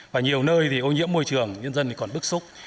và nhiều nơi thì ô nhiễm môi trường nhân dân còn bức xúc